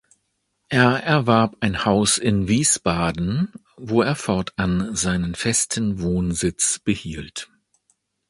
Er erwarb ein Haus in Wiesbaden, wo er fortan seinen festen Wohnsitz behielt.